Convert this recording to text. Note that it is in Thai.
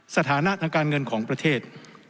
สถานะทางการเงินของประเทศ